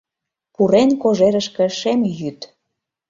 Пурен кожерышке шем йӱд.